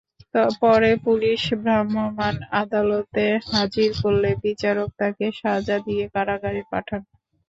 পরে পুলিশ ভ্রাম্যমাণ আদালতে হাজির করলে বিচারক তাঁকে সাজা দিয়ে কারাগারে পাঠান।